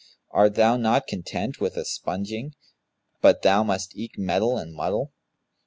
Art thou not content with sponging, but thou must eke meddle and muddle?